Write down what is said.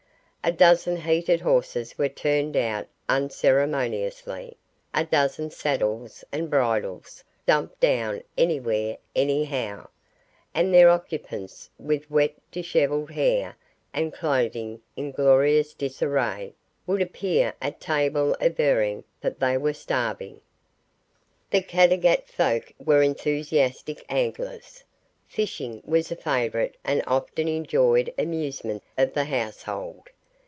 A dozen heated horses were turned out unceremoniously, a dozen saddles and bridles dumped down anywhere anyhow, and their occupants, with wet dishevelled hair and clothing in glorious disarray, would appear at table averring that they were starving. The Caddagat folk were enthusiastic anglers. Fishing was a favourite and often enjoyed amusement of the household.